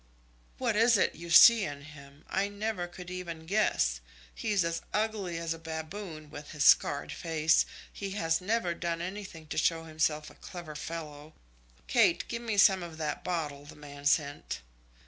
"What it is you see in him, I never could even guess. He's as ugly as a baboon, with his scarred face. He has never done anything to show himself a clever fellow. Kate, give me some of that bottle the man sent."